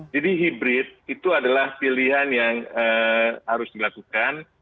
jadi hybrid itu adalah pilihan yang harus dilakukan